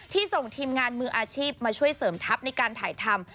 ส่งทีมงานมืออาชีพมาช่วยเสริมทัพในการถ่ายทำ